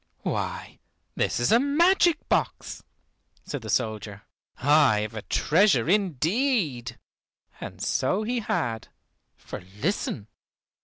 "Why, this is a magic box," said the soldier. "I have a treasure indeed." And so he had, for listen!